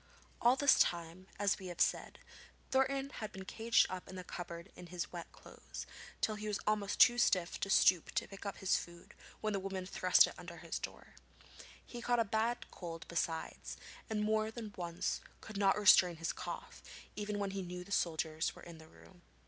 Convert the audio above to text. All this time, as we have said, Thornton had been caged up in the cupboard in his wet clothes, till he was almost too stiff to stoop to pick up his food when the woman thrust it under his door. He caught a bad cold besides, and more than once could not restrain his cough, even when he knew the soldiers were in the room.